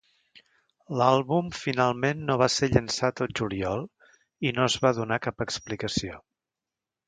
L'àlbum finalment no va ser llançat al juliol i no es va donar cap explicació.